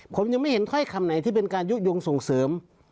ผมยังไม่เห็นถ้อยคำไหนที่เป็นการยุโยงส่งเสริม